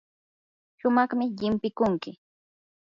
shumaqmi llimpikunki.